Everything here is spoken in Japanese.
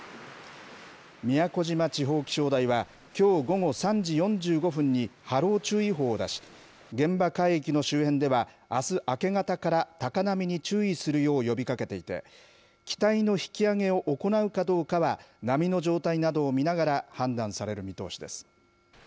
宮古島地方気象台は、きょう午後３時４５分に波浪注意報を出し、現場海域の周辺では、あす明け方から高波に注意するよう呼びかけていて、機体の引き揚げを行うかどうかは、波の状態などを見ながら判断される見通しです。